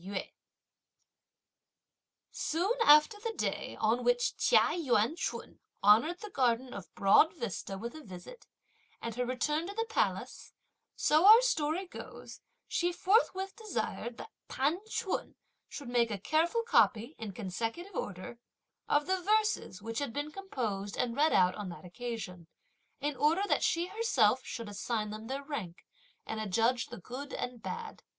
Soon after the day on which Chia Yuan ch'un honoured the garden of Broad Vista with a visit, and her return to the Palace, so our story goes, she forthwith desired that T'an ch'un should make a careful copy, in consecutive order, of the verses, which had been composed and read out on that occasion, in order that she herself should assign them their rank, and adjudge the good and bad.